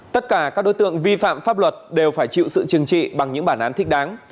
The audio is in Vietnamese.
tất cả các đối tượng vi phạm pháp luật đều phải chịu sự chừng trị bằng những bản án thích đáng